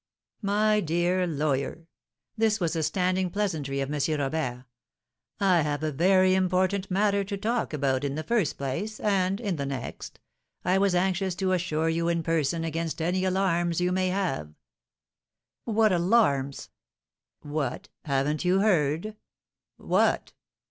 "My dear lawyer" (this was a standing pleasantry of M. Robert), "I have a very important matter to talk about in the first place, and, in the next, I was anxious to assure you in person against any alarms you might have " "What alarms?" "What! Haven't you heard?" "What?"